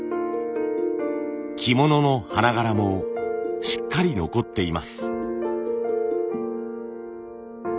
着物の花柄もしっかり残っています。